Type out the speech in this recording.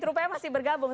terupaya masih bergabung